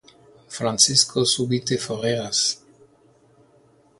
Francisko subite foriras.